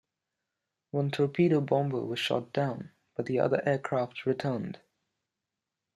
One torpedo bomber was shot down, but the other aircraft returned.